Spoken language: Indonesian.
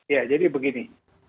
ya jadi begini